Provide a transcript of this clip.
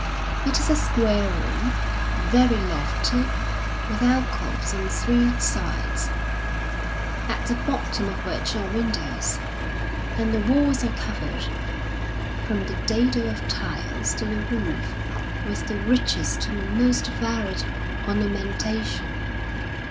It is a square room, very lofty, with alcoves on three sides, at the bottom of which are windows ; and the walls are covered, fix>m the dado of tiles to the roof, with the richest and most varied orncunentation.